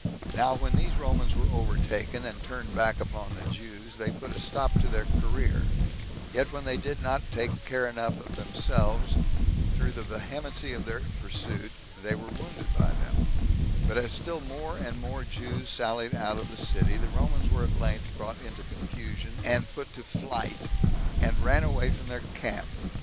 Now when these Romans were overtaken, and turned back upon the Jews, they put a stop to their career; yet when they did not take care enough of themselves through the vehemency of their pursuit, they were wounded by them; but as still more and more Jews sallied out of the city, the Romans were at length brought into confusion, and put to flight, and ran away from their camp.